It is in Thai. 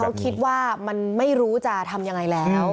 แล้วคิดว่ามันไม่รู้จะทำยังไงแล้ว